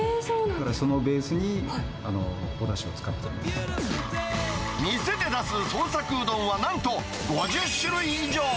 だからそのベースにおだしを店で出す創作うどんは、なんと５０種類以上。